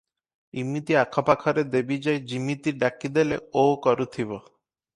ଇମିତି ଆଖପାଖରେ ଦେବି ଯେ ଯିମିତି ଡାକିଦେଲେ 'ଓ' କରୁଥିବ ।